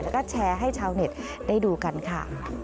แล้วก็แชร์ให้ชาวเน็ตได้ดูกันค่ะ